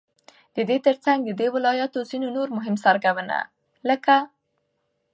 ددې ترڅنگ ددې ولايت ځينو نور مهم سړكونه لكه: